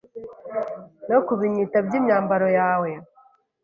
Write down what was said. No ku binyita by’imyambaro yawe